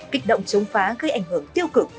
kích động chống phá gây ảnh hưởng tiêu cực